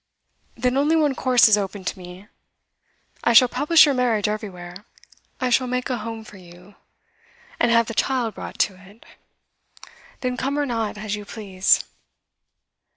'Then only one course is open to me. I shall publish your marriage everywhere. I shall make a home for you, and have the child brought to it; then come or not, as you please.